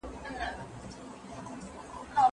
زه به سبا مېوې راټولې کړم.